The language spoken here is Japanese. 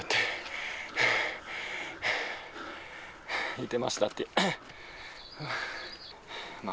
言ってましたって。